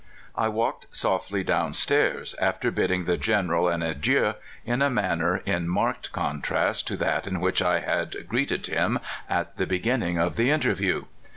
I walked softly down stairs, after bidding the General an adieu in a manner in marked con trast to that in which I had greeted him at the be ginning of the interview.